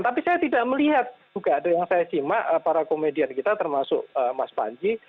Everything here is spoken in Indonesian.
tapi saya tidak melihat juga ada yang saya simak para komedian kita termasuk mas panji